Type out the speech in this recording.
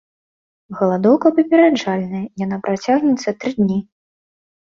Галадоўка папераджальная, яна працягнецца тры дні.